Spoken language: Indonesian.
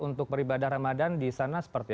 untuk beribadah ramadan di sana seperti